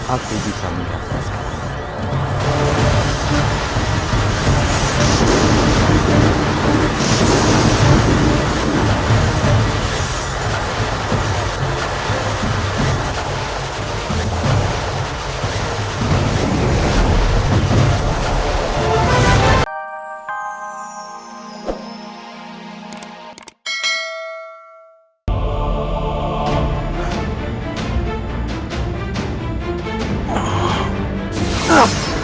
aku bisa menjaga